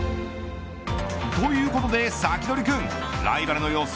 ということで、サキドリくんライバルの様子